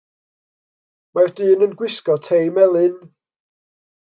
Mae'r dyn yn gwisgo tei melyn.